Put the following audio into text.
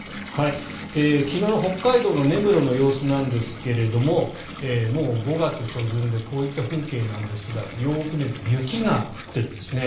昨日の北海道の根室の様子なんですがもう５月初旬でこういった風景なんですがよく見ると雪が降ってるんですね。